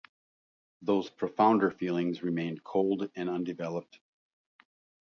Those profounder feelings remained cold and undeveloped.